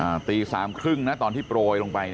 อ่าตี๓๓๐นะตอนที่โปรยลงไป